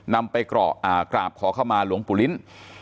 นำไปกราบขอเข้ามาหลวงปู่ลิ้น